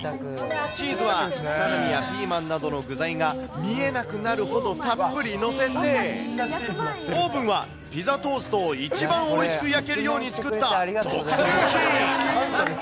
チーズはサラミやピーマンなどの具材が見えなくなるほどたっぷり載せて、オーブンは、ピザトーストを一番おいしく焼けるように作った特注品。